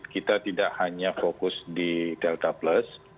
kita tidak hanya fokus di delta plus